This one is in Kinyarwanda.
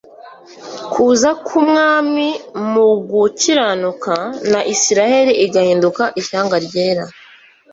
kuza k'Umwami mu gukiranuka, na Isiraheli igahinduka ishyanga ryera,